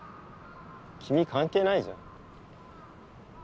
君関係ないじゃん？